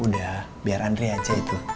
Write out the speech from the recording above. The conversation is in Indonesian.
udah biar andre aja itu